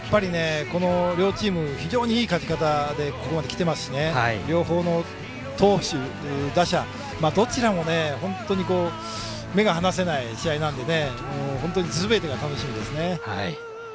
この両チーム非常に、いい勝ち方でここまできていますし両方の投手、打者どちらも目が離せない試合なので本当にすべてが楽しみですね。